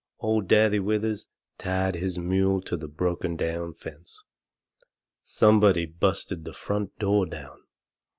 Old Daddy Withers tied his mule to the broken down fence. Somebody busted the front door down.